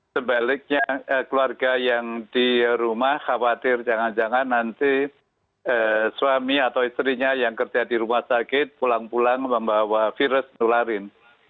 sebaliknya keluarga yang di rumah khawatir jangan jangan nanti suami atau istrinya yang kerja di rumah sakit pulang pulang membawa virus nularin